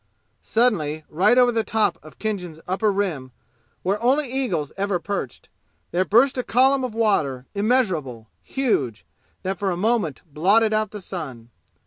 Suddenly, right over the top of Khinjan's upper rim, where only the eagles ever perched, there burst a column of water, immeasurable, huge, that for a moment blotted out the sun.